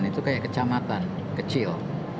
itu kayak kecamatan kecil